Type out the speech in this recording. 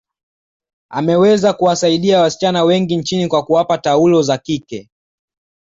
ameweza kuwasaidia wasichana wengi nchini kwa kuwapa taulo za kike